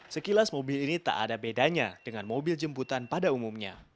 sekilas mobil ini tak ada bedanya dengan mobil jemputan pada umumnya